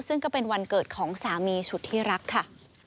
ซึ่งก็เป็นวันเกิดของสามีสุดที่รักค่ะ